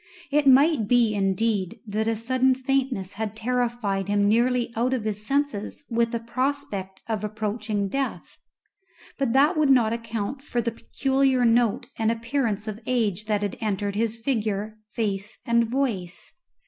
It might be, indeed, that a sudden faintness had terrified him nearly out of his senses with a prospect of approaching death; but that would not account for the peculiar note and appearance of age that had entered his figure, face, and voice.